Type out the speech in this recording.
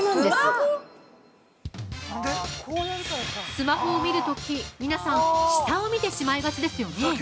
◆スマホを見るとき皆さん、下を見てしまいがちですよね。